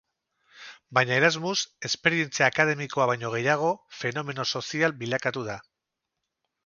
Baina Erasmus, esperientzia akademikoa baino gehiago, fenomeno sozial bilakatu da.